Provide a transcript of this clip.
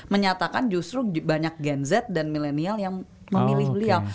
menyatakan justru banyak gen z dan milenial yang memilih beliau